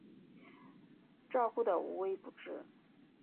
照顾得无微不至